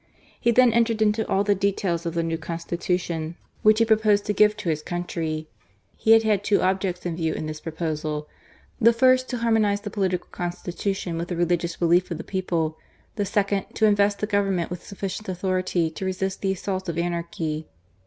He then entered into all the details of the new Consti tution which he proposed to give to his country. He had had two objects in view in this proposal : the first to harmonize the political constitution with the religious belief of the people : the second, to invest the Government with sufficient authority to resist the assaults of anarchy.